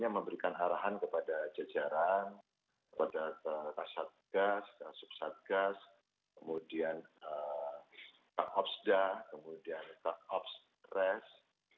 memberikan arahan kepada jajaran kepada kasat gas kasusat gas kemudian tak obsda kemudian tak obsres